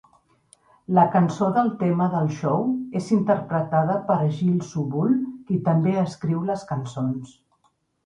La cançó del tema del show és interpretada per Jill Sobule, qui també escriu les cançons.